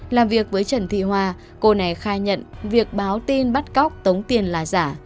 làm việc với trần thị hoa cô này khai nhận việc báo tin bắt cóc tống tiền là giả